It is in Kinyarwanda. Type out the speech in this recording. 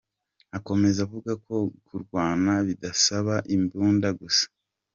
Akomeza avuga ko kurwana bidasaba imbunda gusa.